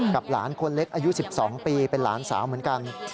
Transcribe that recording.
หลานคนเล็กอายุ๑๒ปีเป็นหลานสาวเหมือนกัน